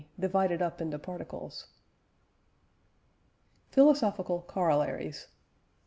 divided up into particles). PHILOSOPHICAL COROLLARIES.